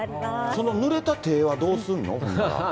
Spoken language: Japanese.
そのぬれた手はどうするの？